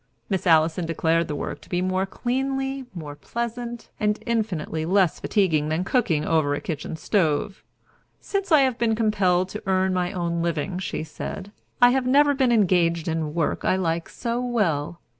Miss Allison declared the work to be more cleanly, more pleasant, and infinitely less fatiguing than cooking over a kitchen stove. "Since I have been compelled to earn my own living," she said, "I have never been engaged in work I like so well.